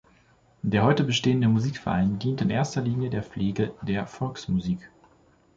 Der heute bestehende Musikverein dient in erster Linie der Pflege der Volksmusik.